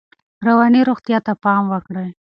رواني روغتیا ته پام وکړئ.